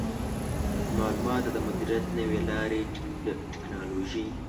د معلوماتو د مدیریت نوې لارې د ټکنالوژۍ